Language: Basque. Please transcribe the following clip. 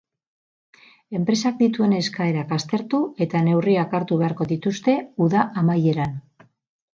Enpresak dituen eskaerak aztertu eta neurriak hartu beharko dituzte uda amaieran.